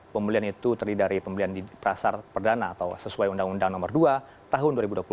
pembelian itu terdiri dari pembelian di pasar perdana atau sesuai undang undang nomor dua tahun dua ribu dua puluh